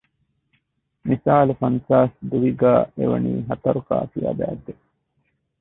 މިސާލު ފަންސާސް ދުވި ގައި އެ ވަނީ ހަތަރުކާފިޔާ ބައިތެއް